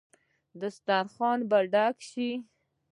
دسترخان به ډک شي.